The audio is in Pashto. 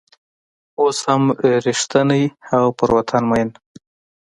اوس هم رشتونی او په وطن مین